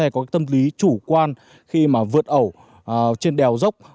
rất nhiều lái xe có tâm lý chủ quan khi mà vượt ẩu trên đèo dốc